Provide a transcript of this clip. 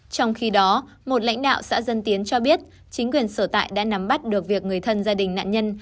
trong khi đó một lãnh đạo xã dân tiến cho biết chính quyền sở tại đã nắm bắt được việc người thân gia đình nạn nhân